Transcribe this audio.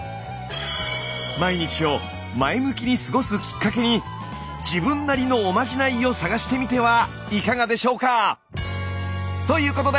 毎日を前向きに過ごすきっかけに自分なりのおまじないを探してみてはいかがでしょうか？ということで！